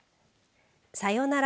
さようなら